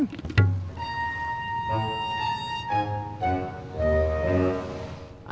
kualitas gak perlu diragukan